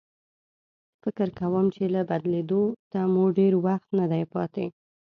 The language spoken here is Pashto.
فکر کوم چې له بېلېدو ته مو ډېر وخت نه دی پاتې.